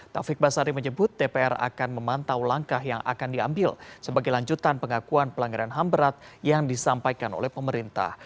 taufik basari menyebut dpr akan memantau langkah yang akan diambil sebagai lanjutan pengakuan pelanggaran ham berat yang disampaikan oleh pemerintah